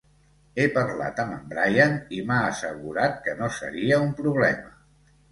He parlat amb en Brian i m'ha assegurat que no seria un problema.